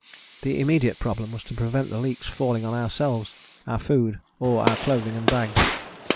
The immediate problem was to prevent the leaks falling on ourselves, our food or our clothing and bags.